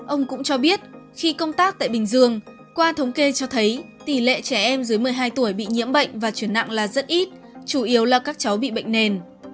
ông cũng cho biết khi công tác tại bình dương qua thống kê cho thấy tỷ lệ trẻ em dưới một mươi hai tuổi bị nhiễm bệnh và chuyển nặng là rất ít chủ yếu là các cháu bị bệnh nền